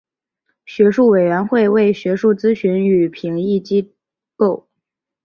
学术委员会为学术咨询与评议机构。